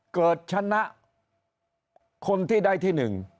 เกิดชนะคนที่ได้ที่๑